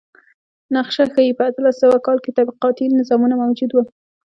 نقشه ښيي په اتلس سوه کال کې طبقاتي نظامونه موجود و.